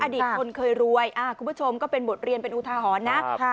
ตคนเคยรวยคุณผู้ชมก็เป็นบทเรียนเป็นอุทาหรณ์นะ